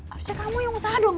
harusnya kamu yang usaha dong